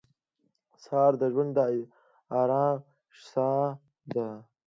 سهار د ژوند د ارام ساه ده.